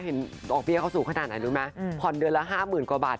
ดอกเบี้ยเขาสูงขนาดไหนรู้ไหมผ่อนเดือนละ๕๐๐๐กว่าบาท